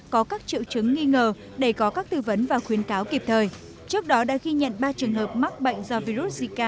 có các triệu chứng nghi ngờ để có các tư vấn và khuyến cáo kịp thời trước đó đã ghi nhận ba trường hợp mắc bệnh do virus zika